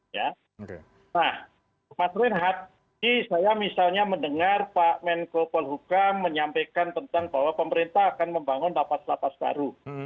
nah mas reinhardt saya misalnya mendengar pak menko polhukam menyampaikan tentang bahwa pemerintah akan membangun lapas lapas baru